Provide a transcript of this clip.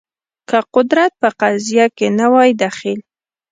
که قدرت په قضیه کې نه وای دخیل